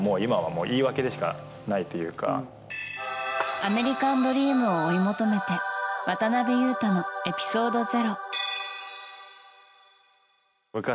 アメリカンドリームを追い求めて渡邊雄太のｅｐｉｓｏｄｅ０。